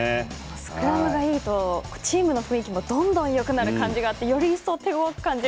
スクラムがいいとチームの雰囲気もどんどんよくなる感じがあってより一層手ごわく感じるんですけど。